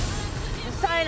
うるさいな！